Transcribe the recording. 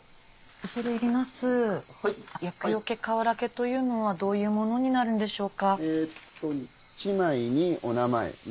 恐れ入ります「厄除けかわらけ」というのはどういうものになるんでしょうか？